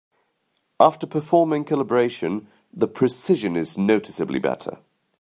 After performing calibration, the precision is noticeably better.